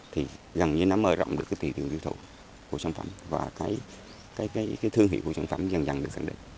thì gần như nó mở rộng được tỷ tiêu du thủ của sản phẩm và thương hiệu của sản phẩm dần dần được khẳng định